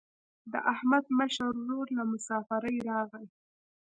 د احمد مشر ورور له مسافرۍ راغی.